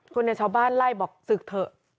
คนในชาวบ้านไล่บอกศึกเถอะ